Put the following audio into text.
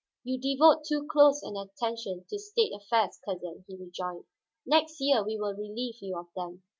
"You devote too close an attention to state affairs, cousin," he rejoined. "Next year we will relieve you of them."